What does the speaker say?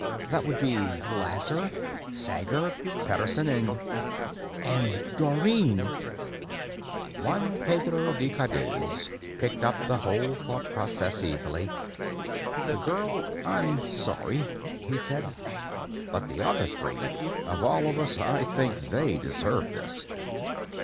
That would be Lasser, Sager, Pederson, and and Dorrine! Juan Pedro de Cadiz picked up the whole thought process easily. "The girl I'm sorry," he said. "But the other three of us all, I think, they deserve this."